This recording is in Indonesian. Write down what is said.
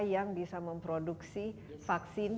yang bisa memproduksi vaksin